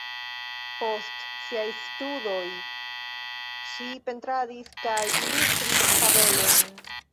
Post siaj studoj ŝi pentradis kaj ilustris fabelojn.